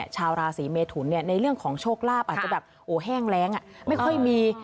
ชาวราศีเมทุนในเรื่องของโชคลาภอาจจะแบบแห้งแรงไม่ค่อยมี